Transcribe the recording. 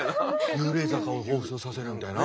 幽霊坂をほうふつとさせるみたいな？